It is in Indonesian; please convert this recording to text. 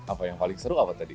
apa yang paling seru apa tadi